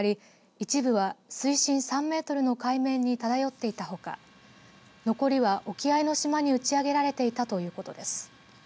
一部は、水深３メートルの海面に漂っていたほか残りは沖合の島に打ち上げられていたということです。